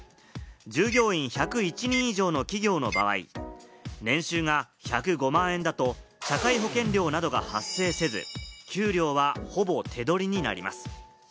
従業員１０１人以上の企業の場合、年収が１０５万円だと社会保険料などが発生せず、給料は、ほぼ手取りになります。